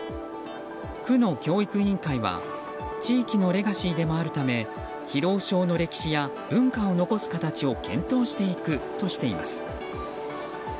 区の教育委員会は地域のレガシーでもあるため広尾小の歴史や文化を残す形を検討していくとしています。